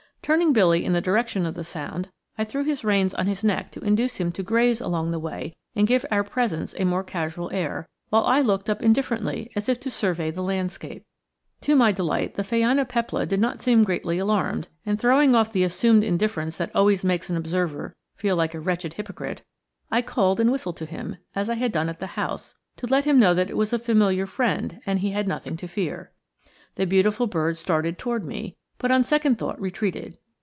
Turning Billy in the direction of the sound, I threw his reins on his neck to induce him to graze along the way and give our presence a more casual air, while I looked up indifferently as if to survey the landscape. To my delight the phainopepla did not seem greatly alarmed, and, throwing off the assumed indifference that always makes an observer feel like a wretched hypocrite, I called and whistled to him as I had done at the house, to let him know that it was a familiar friend and he had nothing to fear. The beautiful bird started toward me, but on second thought retreated.